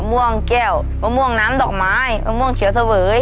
ม่วงแก้วมะม่วงน้ำดอกไม้มะม่วงเขียวเสวย